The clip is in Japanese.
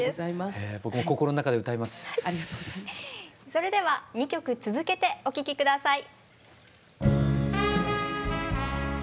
それでは２曲続けてお聴き下さい。